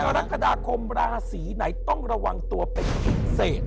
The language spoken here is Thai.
ในรักษณะคมราศีไหนต้องระวังตัวเป็นอีกเสก